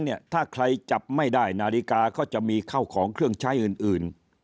เนี่ยถ้าใครจับไม่ได้นาฬิกาก็จะมีเข้าของเครื่องใช้อื่น